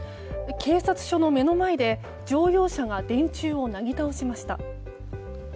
警察署の目の前で乗用車が電柱をなぎ倒しました。